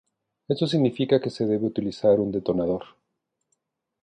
Esto significa que se debe utilizar un detonador.